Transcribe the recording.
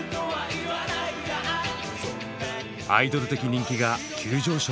アイドル的人気が急上昇。